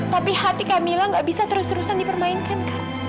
tapi hati kamila gak bisa terus terusan dipermainkan kak